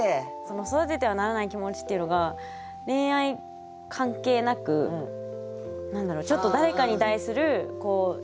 「育ててはならない気持ち」っていうのが恋愛関係なくちょっと誰かに対する嫌な。